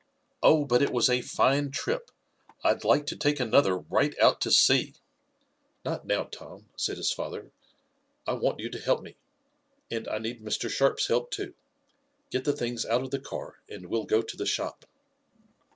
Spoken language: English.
Oh, but it was a fine trip. I'd like to take another right out to sea." "Not now, Tom," said his father. "I want you to help me. And I need Mr. Sharp's help, too. Get the things out of the car, and we'll go to the shop."